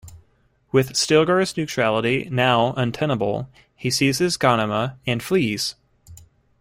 With Stilgar's neutrality now untenable, he seizes Ghanima and flees.